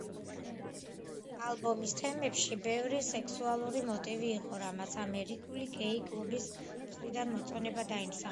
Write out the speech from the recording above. ალბომის თემებში ბევრი სექსუალური მოტივი იყო, რამაც ამერიკული გეი კლუბების მხრიდან მოწონება დაიმსახურა.